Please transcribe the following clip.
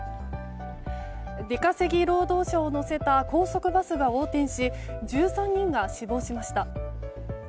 出稼ぎ労働者を乗せた高速バスが横転し１３人が死亡しました。